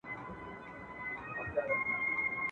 ما د خون او قتل تخم دئ كرلى !.